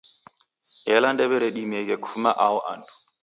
Ela ndew'eredimieghe kufuma aho andu.